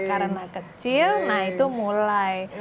karena kecil nah itu mulai